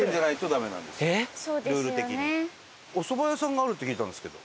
お蕎麦屋さんがあるって聞いたんですけど。